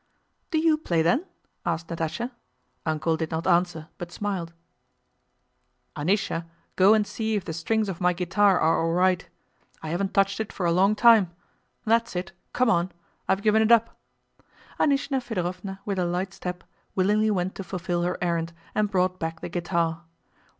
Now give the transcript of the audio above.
"Do you play then?" asked Natásha. "Uncle" did not answer, but smiled. "Anísya, go and see if the strings of my guitar are all right. I haven't touched it for a long time. That's it—come on! I've given it up." Anísya Fëdorovna, with her light step, willingly went to fulfill her errand and brought back the guitar.